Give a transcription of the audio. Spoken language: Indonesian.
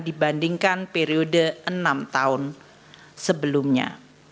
dibandingkan periode enam tahun sebelumnya